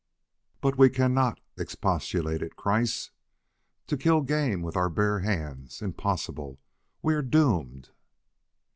"But we cannot!" expostulated Kreiss. "To kill game with our bare hands impossible! We are doomed!"